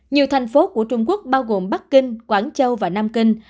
nhiều thành phố của trung quốc bao gồm bắc kinh quảng châu và nam kinh